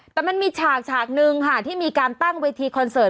แต่มันมีฉากฉากนึงค่ะที่มีการตั้งเวทีคอนเสิร์ต